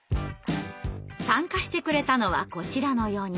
参加してくれたのはこちらの４人。